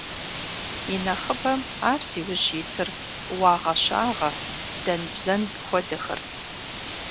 И нэхъыбэм ар зи ужь итыр уагъэ-щагъэ, дэн-бзэн хуэдэхэрт.